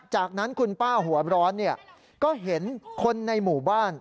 จากนั้นคุณป้าหัวร้อนก็เห็นคนในหมู่บ้าน